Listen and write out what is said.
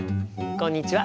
こんにちは。